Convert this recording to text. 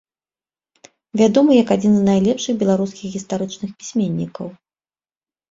Вядомы як адзін з найлепшых беларускіх гістарычных пісьменнікаў.